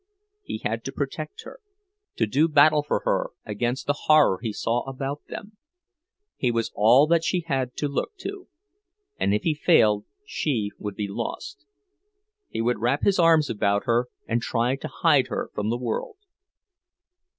He had to protect her, to do battle for her against the horror he saw about them. He was all that she had to look to, and if he failed she would be lost; he would wrap his arms about her, and try to hide her from the world.